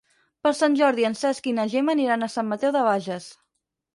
Per Sant Jordi en Cesc i na Gemma aniran a Sant Mateu de Bages.